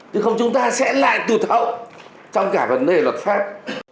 chứ không chúng ta sẽ lại từ hậu trong cả vấn đề luật pháp